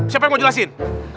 siapa yang mau jelasin